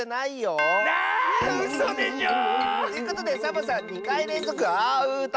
うそでしょ！ということでサボさん２かいれんぞくアウト！